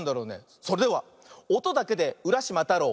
それでは「おとだけでうらしまたろう」